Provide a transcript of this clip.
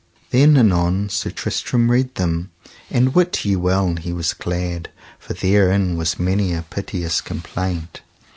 Then anon Sir Tristram read them, and wit ye well he was glad, for therein was many a piteous complaint.